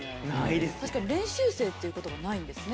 確かに練習生っていう事がないんですね。